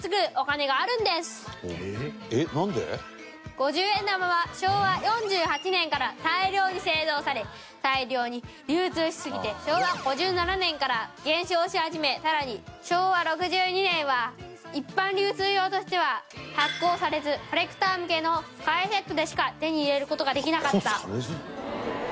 ５０円玉は昭和４８年から大量に製造され大量に流通しすぎて昭和５７年から減少し始め更に昭和６２年は一般流通用としては発行されずコレクター向けの貨幣セットでしか手に入れる事ができなかった。